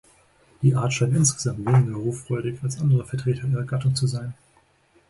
Die Art scheint insgesamt weniger ruffreudig als andere Vertreter ihrer Gattung zu sein.